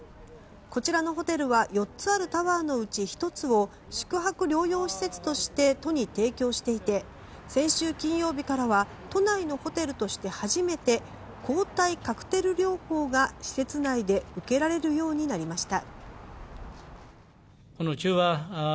こちらのホテルは４つあるタワーのうち１つを宿泊療養施設として都に提供していて先週金曜日からは都内のホテルとして初めて抗体カクテル療法が施設内で受けられるようになりました。